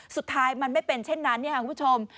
สุดท้ายมันไม่เป็นเช่นนั้นคุณผู้ชม